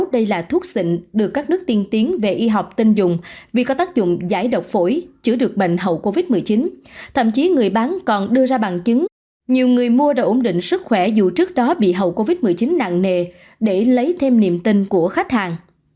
điều đáng nói là thuốc xịn được các nước tiên tiến về y học tinh dùng vì có tác dụng giải độc phổi chữa được bệnh hầu covid một mươi chín thậm chí người bán còn đưa ra bằng chứng nhiều người mua đồ ổn định sức khỏe dù trước đó bị hầu covid một mươi chín nạn nề để lấy thêm niềm tin của khách hàng